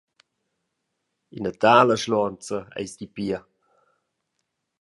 Ina tala schluonza eis ti pia!